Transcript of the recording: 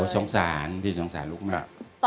สงสารพี่สงสารลูกมาก